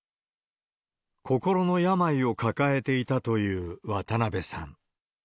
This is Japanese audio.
心の病を抱えていたという渡辺さん。